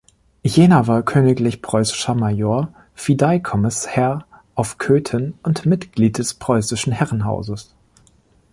Jena war königlich preußischer Major, Fideikommissherr auf Cöthen und Mitglied des Preußischen Herrenhauses.